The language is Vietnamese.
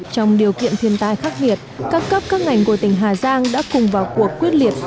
trong điều kiện thiên tai khắc nghiệt các cấp các ngành của tỉnh hà giang đã cùng vào cuộc quyết liệt